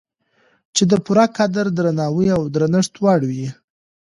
چې د پوره قدر، درناوي او درنښت وړ دی